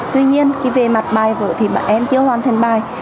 tuy nhiên về mặt bài vợ thì em chưa hoàn thành bài